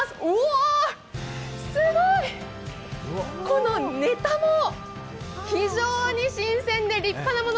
すごい、このネタも非常に新鮮で立派なもの。